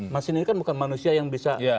masin ini kan bukan manusia yang bisa